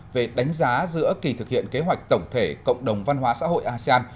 về đánh giá giữa kỳ thực hiện kế hoạch tổng thể cộng đồng văn hóa xã hội asean